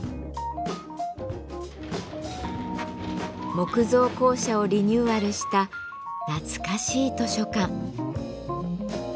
木造校舎をリニューアルした懐かしい図書館。